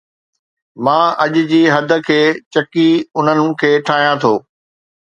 مان اُڃ جي حد کي ڇڪي انهن کي ٺاهيان ٿو